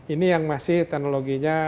ini yang masih teknologinya